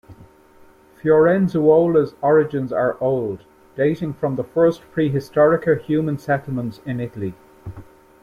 Fiorenzuola's origins are old, dating from the first prehistorica human settlements in Italy.